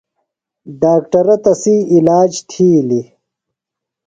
ڈاکٹرہ تسی عِلاج تِھیلیۡ۔